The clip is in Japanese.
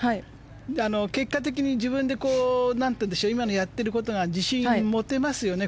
結果的に自分で今のやっていることが自信を持てますよね